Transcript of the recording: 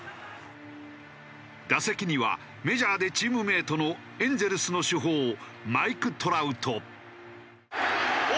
打席にはメジャーでチームメートのエンゼルスの主砲マイク・トラウト。